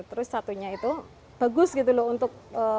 terus satunya itu bagus gitu loh untuk